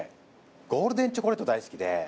ゴールデンチョコレート大好きで。